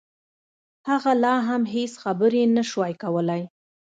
هغه لا هم هېڅ خبرې نشوای کولای